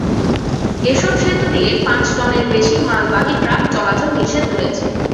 এসব সেতু দিয়ে পাঁচ টনের বেশি মালবাহী ট্রাক চলাচল নিষেধ রয়েছে।